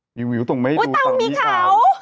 หมิ๋วหมิ๋วต้องมาให้ดูเต่ามีเขา